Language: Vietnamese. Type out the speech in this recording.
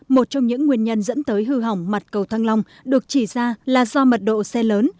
một trong những nguyên nhân dẫn tới hư hỏng mặt cầu thăng long được chỉ ra là do mật độ xe lớn